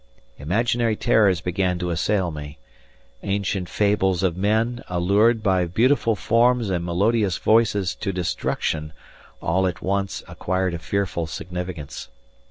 Imaginary terrors began to assail me. Ancient fables of men allured by beautiful forms and melodious voices to destruction all at once acquired a fearful significance.